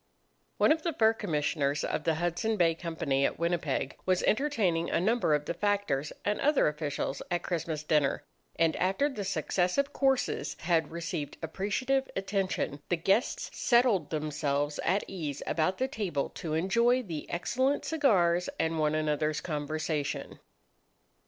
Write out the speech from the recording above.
* One of the Fur Commissioners of the Hudson Bay Company at Winnipeg was entertaining a number of the factors and other officials at Christmas dinner, and after the successive courses had received appreciative attention, the guests settled themselves at ease about the table to enjoy the excellent cigars and one another's conversation.